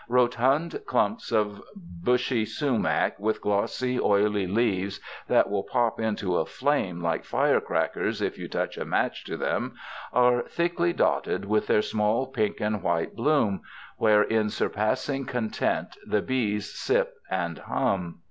Rotund clumps of bushy sumac with glossy, oily leaves that will pop into a flame like fire crackers if you touch a match to them, are thickly dotted with their small pink and white bloom, where in surpassing content the bees sip and bum.